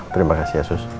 terima kasih asus